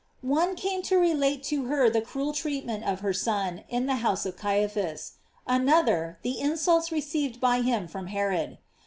"J One came to relate to her the cruel treatment of her Son in the house of Caiphas; another, the insulta received by him from Herod.